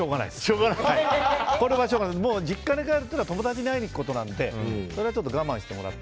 実家に帰るというのは友達に会いに行くことなのでそれはちょっと我慢してもらって。